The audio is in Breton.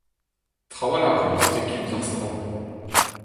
Trawalc'h eo stekiñ ouzh ar skramm !